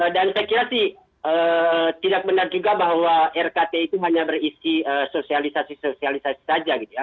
dan saya kira sih tidak benar juga bahwa rkt itu hanya berisi sosialisasi sosialisasi saja gitu ya